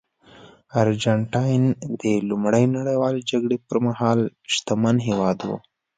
ارجنټاین د لومړۍ نړیوالې جګړې پرمهال شتمن هېواد و.